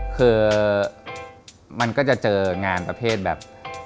คือมันก็จะเจองานประเภทแบบ